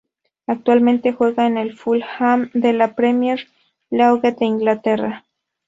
Actualmente juega en el Fulham de la Premier League de Inglaterra.